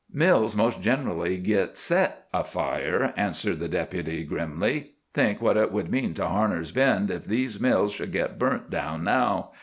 "Mills most generally git set afire," answered the Deputy grimly. "Think what it would mean to Harner's Bend if these mills should git burnt down now!